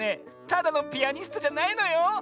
ただのピアニストじゃないのよ。